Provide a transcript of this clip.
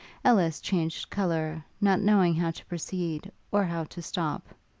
Ellis changed colour, not knowing how to proceed, or how to stop.